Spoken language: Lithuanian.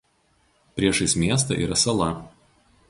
Priešais miestą yra sala.